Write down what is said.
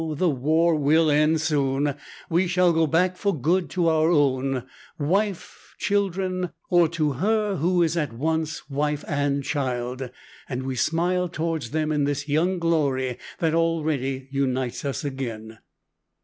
the war will end soon; we shall go back for good to our own; wife, children, or to her who is at once wife and child, and we smile towards them in this young glory that already unites us again.